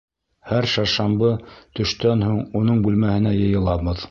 Һәр шаршамбы төштән һуң уның бүлмәһенә йыйылабыҙ.